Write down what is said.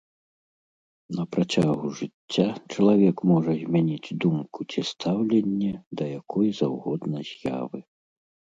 На працягу жыцця чалавек можа змяніць думку ці стаўленне да якой заўгодна з'явы.